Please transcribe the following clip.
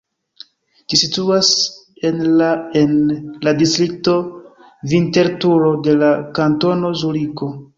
Ĝi situas en la en la distrikto Vinterturo de la Kantono Zuriko.